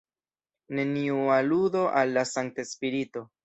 Neniu aludo al la Sankta Spirito.